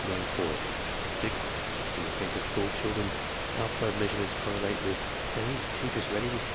94; (6) in the case of school children alpha measurements correlate with (a) teachers' ratings